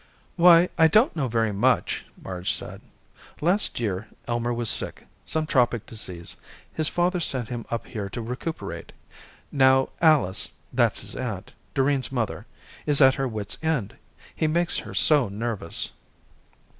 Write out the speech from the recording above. "Why, I don't know very much," Marge said. "Last year Elmer was sick, some tropic disease. His father sent him up here to recuperate. Now Alice that's his aunt, Doreen's mother is at her wits' end, he makes her so nervous."